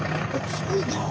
すごいなあ。